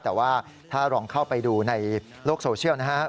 แต่ว่าถ้าลองเข้าไปดูในโลกโซเชียลนะฮะ